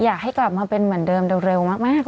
อยากให้กลับมาเป็นเหมือนเดิมเร็วมาก